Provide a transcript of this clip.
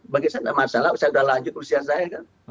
bagi saya tidak masalah saya sudah lanjut usia saya kan